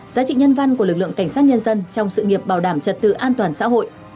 giá trị nhân văn của lực lượng cảnh sát nhân dân trong sự nghiệp bảo đảm trật tự an toàn xã hội